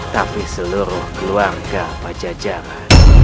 tapi seluruh keluarga pajajara